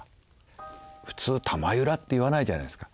普通「たまゆら」って言わないじゃないですか。